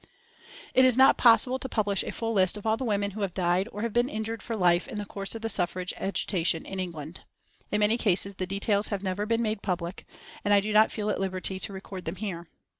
It is not possible to publish a full list of all the women who have died or have been injured for life in the course of the suffrage agitation in England. In many cases the details have never been made public, and I do not feel at liberty to record them here.